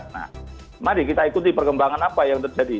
nah mari kita ikuti perkembangan apa yang terjadi